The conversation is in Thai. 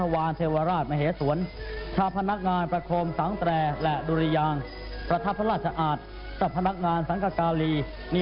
วันที่๕พฤษภาคม๒๔๙๓เวลา๙นาที